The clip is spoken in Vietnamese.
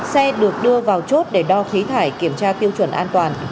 xe được đưa vào chốt để đo khí thải kiểm tra tiêu chuẩn an toàn